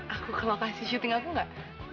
aku ke lokasi syuting aku gak